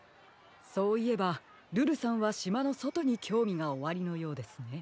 そういえばルルさんはしまのそとにきょうみがおありのようですね。